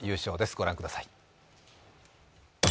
御覧ください。